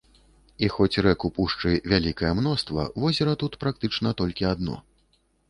І хоць рэк у пушчы вялікае мноства, возера тут практычна толькі адно.